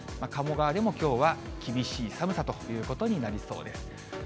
鴨川でもきょうは厳しい寒さということになりそうです。